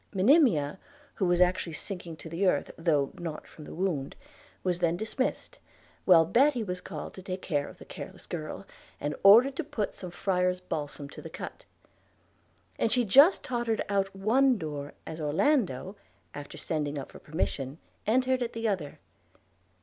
Monimia, who was actually sinking to the earth, though not from the wound, was then dismissed, while Betty was called to take care of the careless girl, and ordered to put some friar's balsam to the cut; and she just tottered out of one door as Orlando, after sending up for permission, entered at the other.